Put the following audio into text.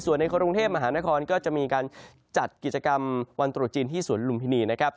ส่วนในกรุงเทพมหานครก็จะมีการจัดกิจกรรมวันตรุษจีนที่สวนลุมพินีนะครับ